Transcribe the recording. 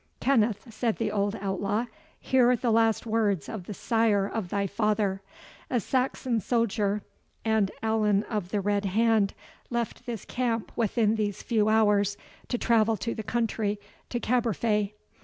"Kenneth," said the old outlaw, "hear the last words of the sire of thy father. A Saxon soldier, and Allan of the Red hand, left this camp within these few hours, to travel to the country to Caberfae.